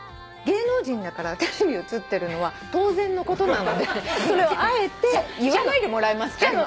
芸能人だからテレビ映ってるのは当然のことなのでそれをあえて言わないでもらえますか？